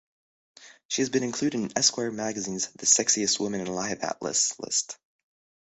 She has been included in "Esquire" magazine's "The Sexiest Woman Alive Atlas" list.